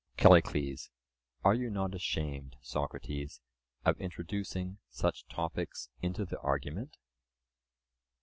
CALLICLES: Are you not ashamed, Socrates, of introducing such topics into the argument?